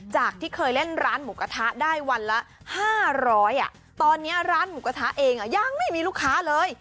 จากที่เคยเล่นร้านหมูกระทะได้วันละ๕๐๐ตอนนี้ร้านหมูกระทะเองยังไม่มีลูกค้าเลย